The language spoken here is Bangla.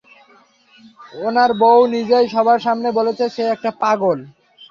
উনার বউ নিজেই সবার সামনে বলেছে সে একটা পাগল।